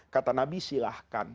kata nabi silahkan